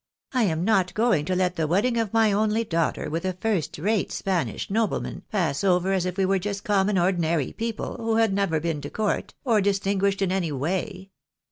I am not going to let the wedding of my only daughter with a first rate Spanish nobleman pass over as if we were just common ordinary people, who had never been to court, or dis tinguished in any way."